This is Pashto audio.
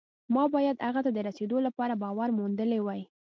ما باید هغه ته د رسېدو لپاره باور موندلی وي